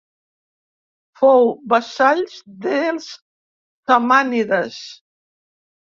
Fou vassalls dels samànides.